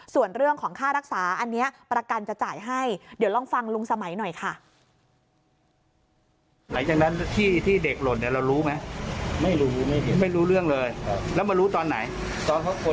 ส่วนเรื่องของค่ารักษาอันนี้ประกันจะจ่ายให้เดี๋ยวลองฟังลุงสมัยหน่อยค่ะ